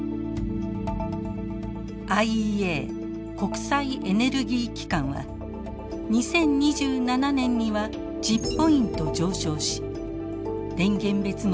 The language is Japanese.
ＩＥＡ＝国際エネルギー機関は２０２７年には１０ポイント上昇し電源別のトップになっていると予測しています。